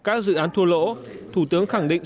các dự án thua lỗ thủ tướng khẳng định